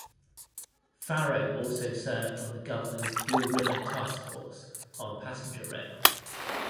Farrow also served on the Governor's Blue Ribbon Task Force on Passenger Rail.